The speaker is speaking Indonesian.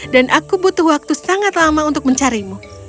dan aku butuh waktu sangat lama untuk mencarimu